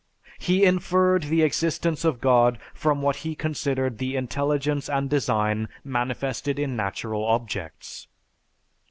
He inferred the existence of God from what he considered the intelligence and design manifested in natural objects.